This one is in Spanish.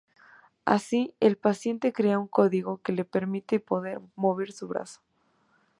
Así el paciente crea un código que le permite poder mover su brazo.